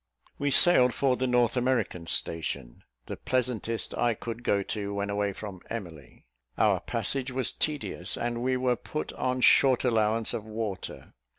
We sailed for the North American station, the pleasantest I could go to when away from Emily. Our passage was tedious, and we were put on short allowance of water.